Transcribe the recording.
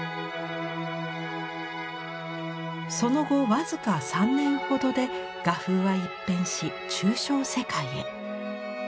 その後僅か３年ほどで画風は一変し抽象世界へ。